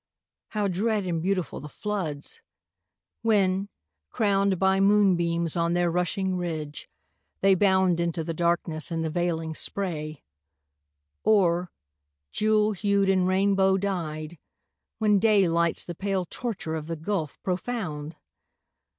How dread and beautiful the floods, when, crowned By moonbeams on their rushing ridge, they bound Into the darkness and the veiling spray; Or, jewel hued and rainbow dyed, when day Lights the pale torture of the gulf profound!